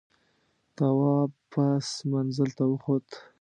تواب پاس منزل ته وخوت.